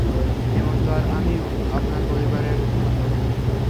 হেমন্ত আর আমিও আপনার পরিবারের মতো।